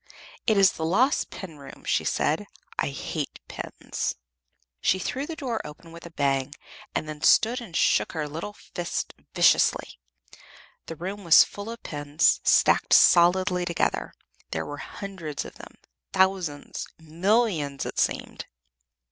"It is the Lost pin room," she said. "I hate pins." She threw the door open with a bang, and then stood and shook her little fist viciously. The room was full of pins, stacked solidly together. There were hundreds of them thousands millions, it seemed.